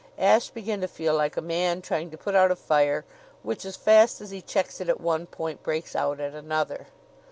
Ashe began to feel like a man trying to put out a fire which, as fast as he checks it at one point, breaks out at another.